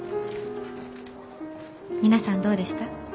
皆さんどうでした？